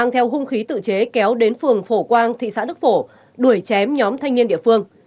tuy tự chế kéo đến phường phổ quang thị xã đức phổ đuổi chém nhóm thanh niên địa phương